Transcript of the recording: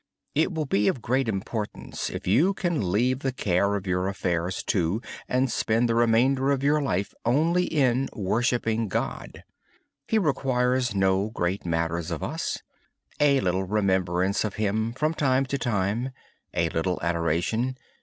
It will be a great relief if you can leave the care of your affairs to M and spend the remainder of your life only in worshipping God. He requires no great matters of us; a little remembrance of Him from time to time, a little adoration.